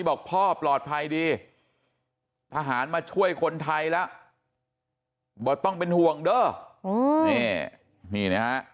บอกพ่อปลอดภัยดีพหารมาช่วยคนไทยละบอกต้องเป็นห่วงได้